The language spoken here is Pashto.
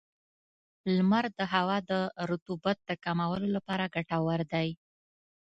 • لمر د هوا د رطوبت د کمولو لپاره ګټور دی.